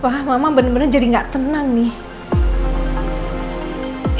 wah mama bener bener jadi nggak tenang nih